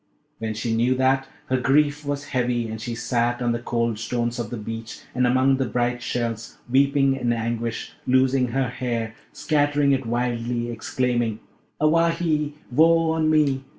When she knew that, her grief was heavy, and she sat on the cold stones of the beach and among the bright shells, weeping in anguish, loosing her hair, scattering it wildly, exclaiming, 'Awahy! woe on me!